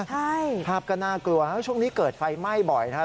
ใช่ภาพก็น่ากลัวช่วงนี้เกิดไฟไหม้บ่อยนะฮะ